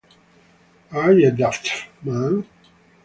Are ye daft, man?